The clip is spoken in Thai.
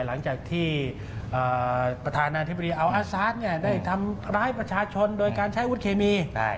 หลังจากที่ประธานาธิบดีอัลอาซาสได้ทำร้ายประชาชนโดยการใช้วุฒิเคมี